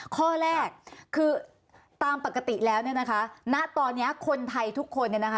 ข้อแรกคือตามปกติแล้วนะคะณตอนนี้คนไทยทุกคน